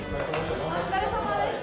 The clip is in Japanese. お疲れさまでした。